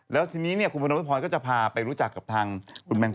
แล้วทีนี้คุณพนพรก็จะพาไปรู้จักกับทางคุณแมงก